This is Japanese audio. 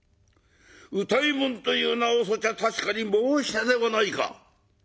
歌右衛門という名をそちは確かに申したではないか！